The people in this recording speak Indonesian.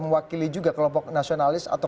mewakili juga kelompok nasionalis atau